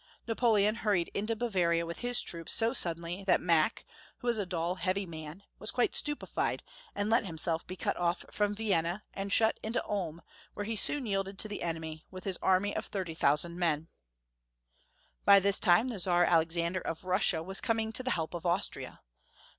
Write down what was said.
Napoleon hurried into Bavaria with his troops so suddenly that Mack, who was a dull heavy man, was quiet stupefied, and let himself be cut off from Vienna and shut into Ulm, where he soon yielded to the enemy, with his army of 30,000 men. By this time the Czar Alexander of Russia was coming to the help of Austria.